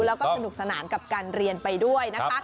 แล้วก็สนุกสนานกับการเรียนไปด้วยนะคะ